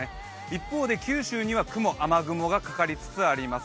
一方で九州には雨雲がかかりつつあります。